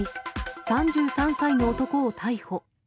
３３歳の男を逮捕。